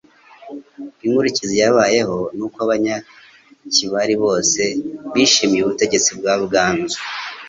Inkurikizi yabayeho, n'uko Abanyakibali bose bishimiye ubutegetsi bwa Ruganzu,